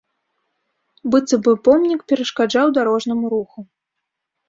Быццам бы помнік перашкаджаў дарожнаму руху.